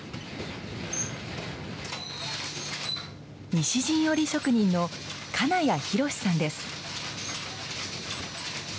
西陣織職人の金谷博さんです。